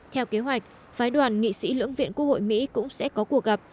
theo kế hoạch phái đoàn nghị sĩ lưỡng viện quốc hội mỹ cũng sẽ có cuộc gặp